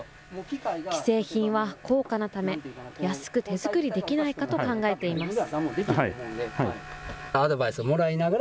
既製品は高価なため、安く手作りできないかと考えています。